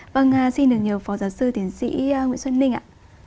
vâng xin được nhờ phó giáo sư tiến sĩ nguyễn xuân ninh ạ